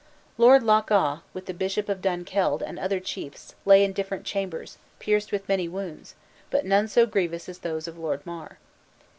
Lord Lochawe, with the Bishop of Dunkeld, and other chiefs, lay in different chambers, pierced with many wounds; but none so grievous as those of Lord Mar.